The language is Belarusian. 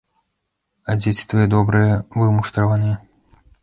А дзеці твае добрыя, вымуштраваныя.